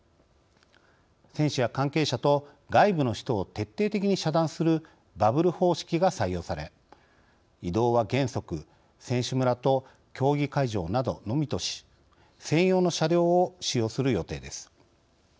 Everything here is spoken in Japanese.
選手や関係者と外部の人を徹底的に遮断するバブル方式が採用され移動は原則選手村と競技会場などのみとし専用の車両を使用する予定です。